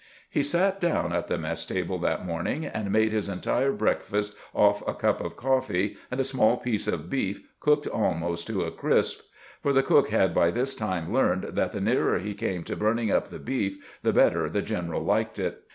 He sat down at the mess table that morning, and made his entire breakfast off a cup of coffee and a small piece of beef cooked almost to a crisp ; for the cook had by this time learned that the nearer he came to burning up the beef the better the general liked it.